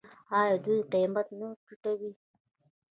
آیا دوی قیمت نه ټیټوي؟